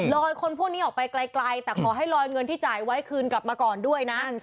คนพวกนี้ออกไปไกลแต่ขอให้ลอยเงินที่จ่ายไว้คืนกลับมาก่อนด้วยนะ